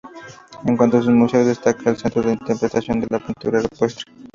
En cuanto a museos, destaca el Centro de Interpretación de la pintura Rupestre.